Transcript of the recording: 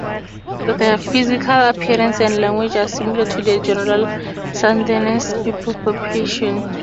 Their physical appearance and language are similar to the general Sundanese people population.